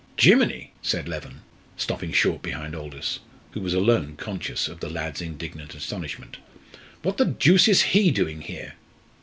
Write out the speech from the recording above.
"Jiminy!" said Leven, stopping short behind Aldous, who was alone conscious of the lad's indignant astonishment; "what the deuce is he doing here?"